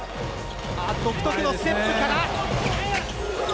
独特のステップから。